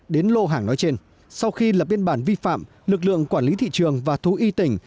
đến lô hàng nói trên sau khi lập biên bản vi phạm lực lượng quản lý thị trường và thú y tỉnh